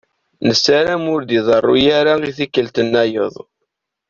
Nessaram ur d-iḍeṛṛu ara i tikkelt-nnayeḍ.